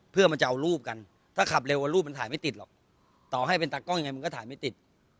เพื่อมันจะเอารูปกันถ้าขับเร็วรูปมันถ่ายไม่ติดหรอกต่อให้เป็นตากล้องยังไงมันก็ถ่ายไม่ติด